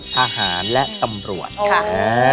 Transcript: ทหารและตำรวจ